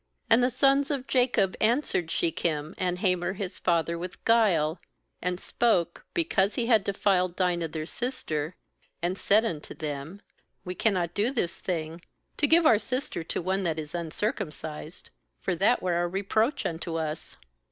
13And the sons of Jacob answered Shechem and Hamor his father with guile, and spoke, because he had defiled Dinah their sister, 14,and said unto them :' We cannot do this thing, to give our sister to one that is un circumcised; for that were a reproach unto us.